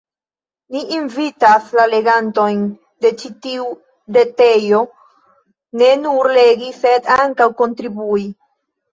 Ni invitas la legantojn de ĉi tiu retejo ne nur legi sed ankaŭ kontribui.